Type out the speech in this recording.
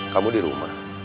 kamu di rumah